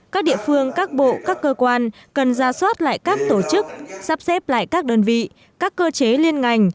các địa phương các bộ các cơ quan cần ra soát lại các tổ chức sắp xếp lại các đơn vị các cơ chế liên ngành